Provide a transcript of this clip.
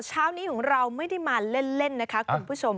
เช้านี้ของเราไม่ได้มาเล่นนะคะคุณผู้ชม